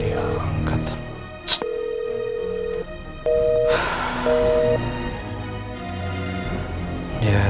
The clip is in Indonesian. ih papa telfon mulu sih